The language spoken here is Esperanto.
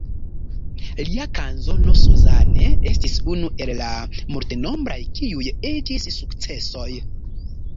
Lia kanzono "Suzanne" estis unu el la multenombraj, kiuj iĝis sukcesoj.